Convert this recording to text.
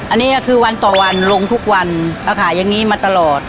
อันนี้ก็คือวันต่อวันลงทุกวันเราขายอย่างนี้มาตลอด